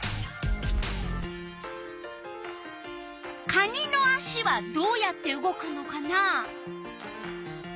かにのあしはどうやって動くのかな？